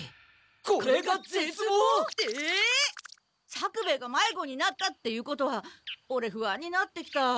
作兵衛がまいごになったっていうことはオレふあんになってきた。